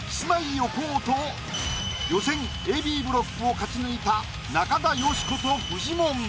横尾と予選Ａ・Ｂブロックを勝ち抜いた中田喜子とフジモン。